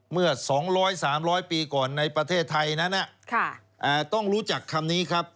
เมื่อ๒๐๐๓๐๐ปีก่อนในประเทศไทยนั้นต้องรู้จักคำนี้ครับ